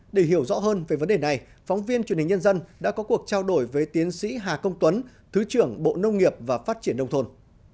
để hiểu rõ hơn về vấn đề này phóng viên truyền hình nhân dân đã có cuộc trao đổi với tiến sĩ hà công tuấn thứ trưởng bộ nông nghiệp và phát triển nông thôn